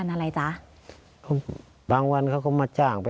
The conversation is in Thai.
ครับคุณพ่อ